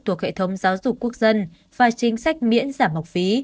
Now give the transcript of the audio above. thuộc hệ thống giáo dục quốc dân và chính sách miễn giảm học phí